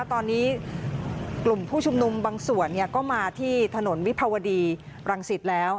ตอนนี้กลุ่มผู้ชุมนุมบางส่วนก็มาที่ถนนวิภาวดีรังสิตแล้ว